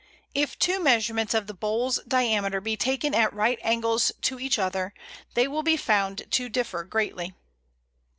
If two measurements of the bole's diameter be taken at right angles to each other, they will be found to differ greatly.